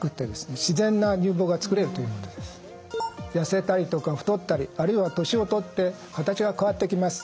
痩せたりとか太ったりあるいは年を取って形が変わってきます。